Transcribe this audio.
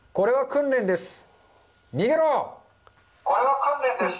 これは訓練です。